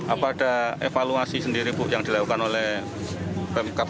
apa ada evaluasi sendiri yang dilakukan oleh pmk atas insiden ini